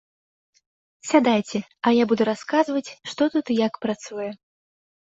Сядайце, а я буду расказваць, што тут і як працуе.